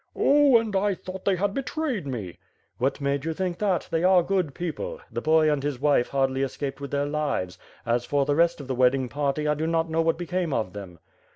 "Oh, and I thought they had betrayed me!" "What made you think that? They are good people. The boy and his wife hardly escaped with their lives; as for the rest of the wedding party, I do not know what became of them."